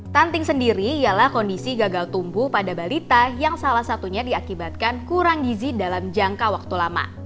stunting sendiri ialah kondisi gagal tumbuh pada balita yang salah satunya diakibatkan kurang gizi dalam jangka waktu lama